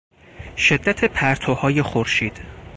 شدت پرتوهای خورشید